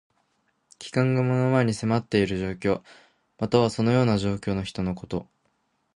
危険が目の前に迫っている状況。または、そのような状況の人のこと。